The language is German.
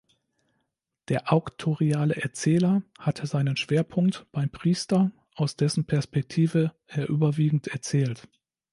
Der auktoriale Erzähler hat seinen Schwerpunkt beim Priester, aus dessen Perspektive er überwiegend erzählt.